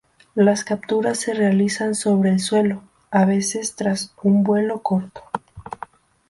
Las capturas se realizan sobre el suelo; a veces, tras un vuelo corto.